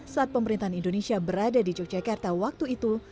saat pemerintahan indonesia berada di yogyakarta waktu itu